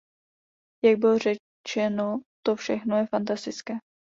Jak bylo řečeno, to všechno je fantastické.